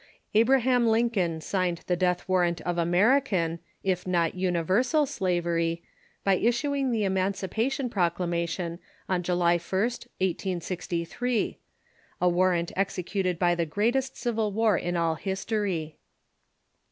Abraham Lincoln signed the death warrant of American, if not universal, slavery, by issuing the Emancipation Proclamation on January 1st, 1803 — a warrant executed by the greatest Civil War in all history.